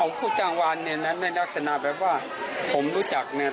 เอาผู้จ้างหวานเนี่ยแล้วแม่นักสนาแบบว่าผมรู้จักเนี่ย